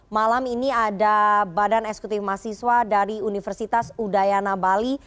malam ini ada badan eksekutif mahasiswa dari universitas udayana bali